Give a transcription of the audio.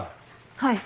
はい。